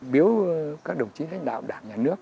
biếu các đồng chí lãnh đạo đảng nhà nước